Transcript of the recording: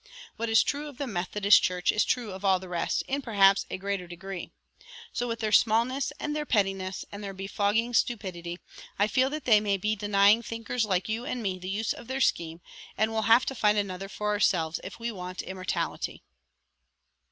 What is true of the Methodist Church is true of all the rest, in perhaps a greater degree. So with their smallness and their pettiness and their befogging stupidity I feel that they may be denying thinkers like you and me the use of their scheme and we'll have to find another for ourselves if we want immortality."